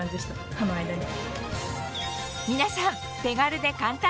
歯の間に。